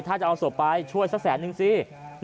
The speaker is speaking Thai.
ถ้าจะเอาศพไปช่วยสักแสนนึงสิ